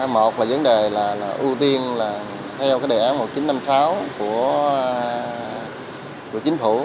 một là vấn đề là ưu tiên là theo cái đề án một nghìn chín trăm năm mươi sáu của chính phủ